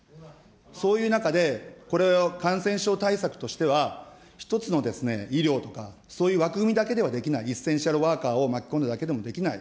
そういう中で、これを感染症対策としては、１つの医療とかそういう枠組みだけではできないエッセンシャルワーカーを巻き込んだだけでもできない。